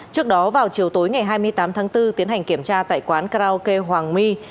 trước đó vào chiều tối ngày hai mươi tám tháng bốn tiến hành kiểm tra tại quán karaoke hoàng my